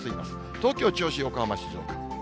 東京、銚子、横浜、静岡。